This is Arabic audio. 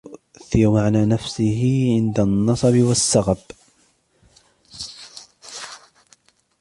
وَيُؤْثِرَهُ عَلَى نَفْسِهِ عِنْدَ النَّصَبِ وَالسَّغَبِ